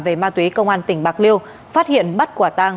về ma túy công an tỉnh bạc liêu phát hiện bắt quả tàng